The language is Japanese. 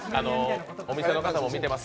お店の方も見てます。